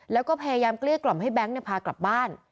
แล้วก็พยายามเกลี้ยกล่อมให้แบงค์พากลับบ้าน